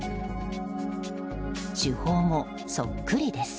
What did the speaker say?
手法もそっくりです。